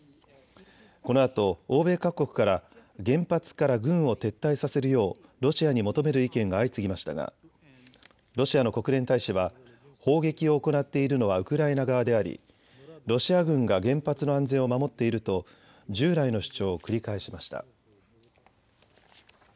このあと欧米各国から原発から軍を撤退させるようロシアに求める意見が相次ぎましたがロシアの国連大使は砲撃を行っているのはウクライナ側でありロシア軍が原発の安全を守っていると従来の主張を繰り返しました。